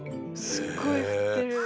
すっごい振ってる。